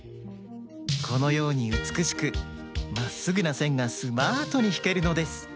このようにうつくしくまっすぐなせんがスマートにひけるのです。